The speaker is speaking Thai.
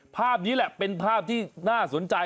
ภาพนี้แหละเป็นภาพที่น่าสนใจ